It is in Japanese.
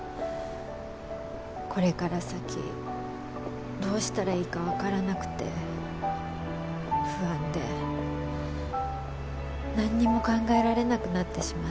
これから先どうしたらいいかわからなくて不安でなんにも考えられなくなってしまって。